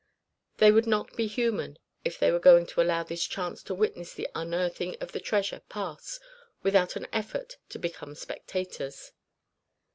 They would not be human if they were going to allow this chance to witness the unearthing of the treasure pass without an effort to become spectators.